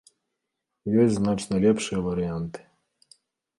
Ёсць значна лепшыя варыянты.